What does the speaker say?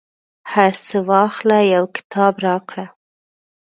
هرڅه واخله، یو کتاب راکړه